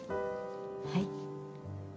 はい。